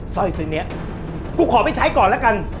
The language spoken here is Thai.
ซอยสือเนี่ยกูขอไปใช้ก่อนแล้วกัน